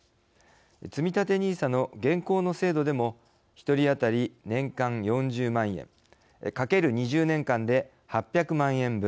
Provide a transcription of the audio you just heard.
つみたてＮＩＳＡの現行の制度でも１人当たり年間４０万円×２０年間で８００万円分。